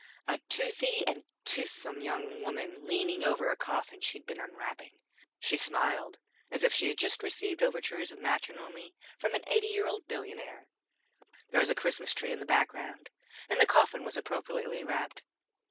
A toothy and toothsome young woman leaned over a coffin she'd been unwrapping. She smiled as if she'd just received overtures of matrimony from an eighty year old billionaire. There was a Christmas tree in the background, and the coffin was appropriately wrapped.